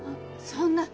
そんな。